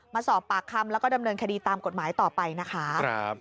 มาสอบปากคำแล้วก็ดำเนินคดีตามกฎหมายต่อไปนะคะ